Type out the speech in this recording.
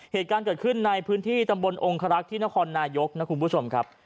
เหตุการณ์เกิดขึ้นในพื้นที่ตำบลองครักษ์ที่นครนายกนะคุณผู้ชมครับ